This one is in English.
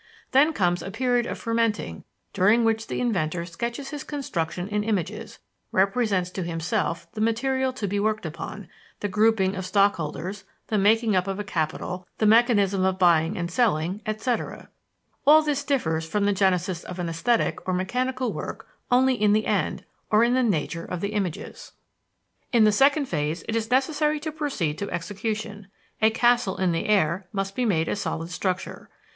Then comes a period of fermenting during which the inventor sketches his construction in images, represents to himself the material to be worked upon, the grouping of stockholders, the making up of a capital, the mechanism of buying and selling, etc. All this differs from the genesis of an esthetic or mechanical work only in the end, or in the nature of the images. In the second phase it is necessary to proceed to execution a castle in the air must be made a solid structure.